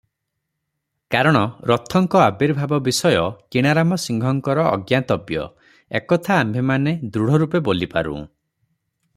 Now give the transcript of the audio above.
କାରଣ ରଥଙ୍କ ଆବିର୍ଭାବ ବିଷୟ କିଣାରାମ ସିଂହଙ୍କର ଅଜ୍ଞାତବ୍ୟ, ଏକଥା ଆମ୍ଭେମାନେ ଦୃଢ଼ରୂପେ ବୋଲିପାରୁଁ ।